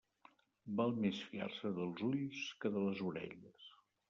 Val més fiar-se dels ulls que de les orelles.